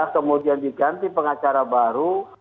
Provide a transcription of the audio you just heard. kemudian diganti pengacara baru